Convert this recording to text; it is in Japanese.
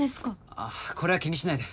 あっこれは気にしないで。